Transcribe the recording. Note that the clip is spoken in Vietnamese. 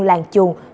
ai ăn rồi cũng nhớ